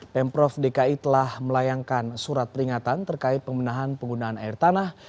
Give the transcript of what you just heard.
pemprov dki telah melayangkan surat peringatan terkait pemenahan penggunaan air tanah